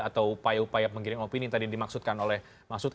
atau upaya upaya mengirim opini tadi dimaksudkan oleh masud